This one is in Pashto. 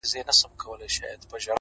خوشحال په دې دى چي دا ستا خاوند دی،